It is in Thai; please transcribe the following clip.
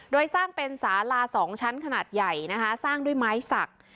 โดยสร้างเป็นสาลา๒ชั้นขนาดใหญ่นะคะสร้างด้วยไม้สัก